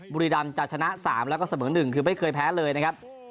บุรีรำจะชนะ๓แล้วก็เสมอ๑คือไม่เคยแพ้เลยนะครับ